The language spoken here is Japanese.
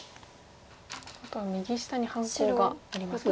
あとは右下に半コウがありますね。